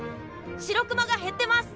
シロクマが減ってます！